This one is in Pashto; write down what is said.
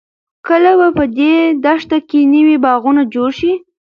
کله به په دې دښته کې نوې باغونه جوړ شي؟